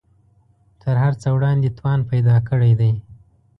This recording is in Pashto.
تر هر څه وړاندې توان پیدا کړی دی